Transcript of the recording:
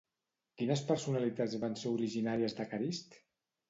Quines personalitats van ser originàries de Carist?